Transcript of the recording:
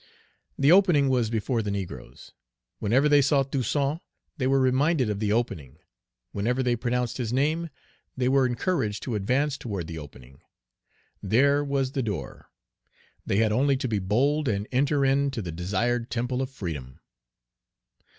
The opening was before the negroes. Whenever they saw Toussaint, they were reminded of the opening; whenever they pronounced his name, they were encouraged to advance toward the opening. There was the door; they had only to be bold and enter in to the desired temple of freedom.